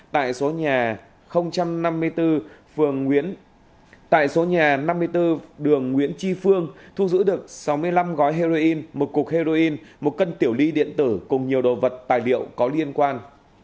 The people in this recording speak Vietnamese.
tại số nhà năm mươi bốn đường nguyễn tri phương thu giữ được sáu mươi năm gói heroin một cục heroin một cân tiểu ly điện tử cùng nhiều đồ vật tài liệu có liên quan